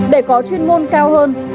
để có chuyên môn cao hơn